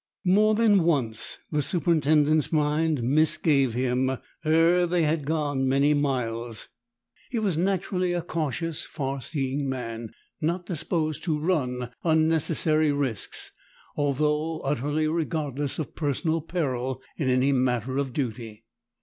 More than once the superintendent's mind misgave him ere they had gone many miles. He was naturally a cautious, far seeing man, not disposed to run unnecessary risks, although utterly regardless of personal peril in any matter of duty.